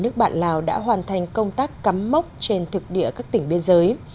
nước bạn lào đã hoàn thành công tác cắm mốc trên thực địa các tỉnh biên giới